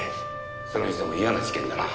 それにしても嫌な事件だな。